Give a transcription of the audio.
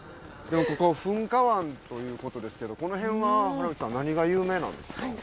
ここ噴火湾という事ですけどこの辺は原内さん何が有名なんですか？